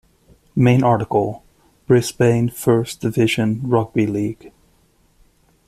Main article: Brisbane First Division Rugby League.